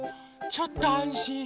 ちょっとあんしん。